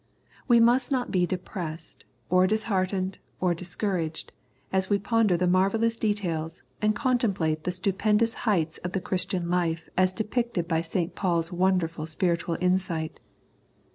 We must not be depressed, or dis heartened, or discouraged, as we ponder the marvellous details and contemplate the stupendous heights of the Christian life as depicted by St. Paul's wonderful spiritual insight.